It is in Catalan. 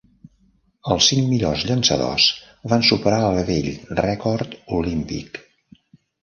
Els cinc millors llançadors van superar el vell rècord olímpic.